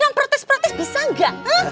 yang protes protes bisa nggak